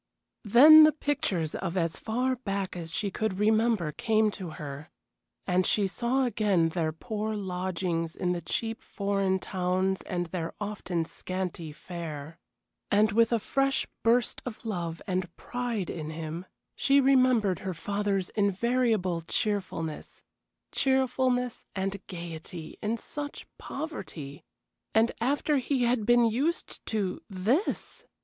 Then the pictures of as far back as she could remember came to her, and she saw again their poor lodgings in the cheap foreign towns and their often scanty fare. And with a fresh burst of love and pride in him, she remembered her father's invariable cheerfulness cheerfulness and gayety in such poverty! And after he had been used to this!